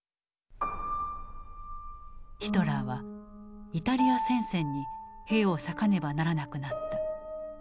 ヒトラーはイタリア戦線に兵を割かねばならなくなった。